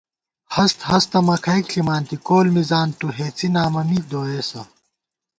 ہست ہستہ مَکھَئیک ݪِمانتی، کول مِزان تُو ہېڅی نامہ می دوئیسہ